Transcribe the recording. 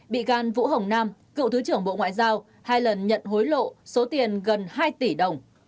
bị can vũ hồng nam cựu thứ trưởng bộ ngoại giao hai lần nhận hối lộ số tiền gần hai tỷ đồng